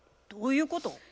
どういうこと？